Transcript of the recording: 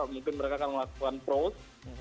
mungkin mereka akan melakukan pros